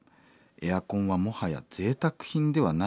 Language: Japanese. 「エアコンはもはやぜいたく品ではないです。